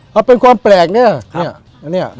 ครับเป็นความแปลกนี่นะนี่นี่เนี่ย